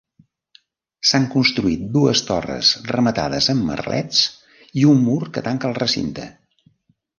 S'han construït dues torres rematades amb merlets i un mur que tanca el recinte.